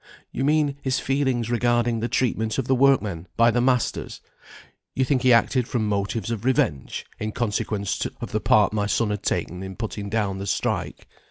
"You mean his feelings regarding the treatment of the workmen by the masters; you think he acted from motives of revenge, in consequence of the part my son had taken in putting down the strike?"